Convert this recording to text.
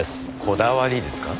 こだわりですか？